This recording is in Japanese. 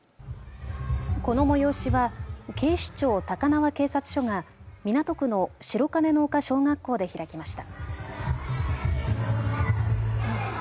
この催しは警視庁高輪警察署が港区の白金の丘小学校で開きました。